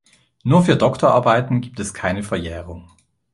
Nur für Doktorarbeiten gibt es keine Verjährung“.